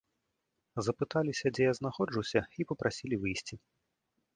Запыталіся, дзе я знаходжуся, і папрасілі выйсці.